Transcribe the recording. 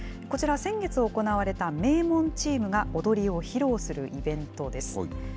こちらは先月行われた名門チームが踊りを披露するイベントです。